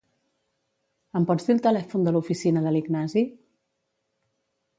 Em pots dir el telèfon de l'oficina de l'Ignasi?